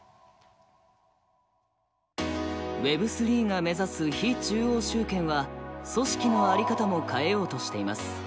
Ｗｅｂ３が目指す非中央集権は組織の在り方も変えようとしています。